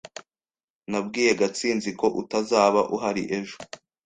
Nabwiye Gatsinzi ko utazaba uhari ejo.